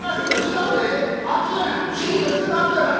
シーンとしてるはずやがな」。